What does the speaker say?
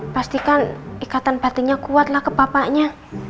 pastikan ikatan patinya kuat lah ke papanya